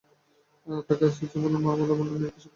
তাকে আস্তে আস্তে বললেন, মা লাবণ্য, নিজেকে চাপা দিয়ে রেখো না।